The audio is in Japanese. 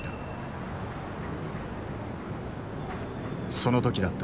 その時だった。